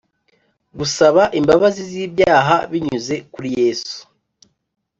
Gusaba imbabazi z’ibyaha binyuze kuri Yesu